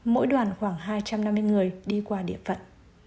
mỗi đoàn khoảng hai trăm năm mươi người đi qua địa phận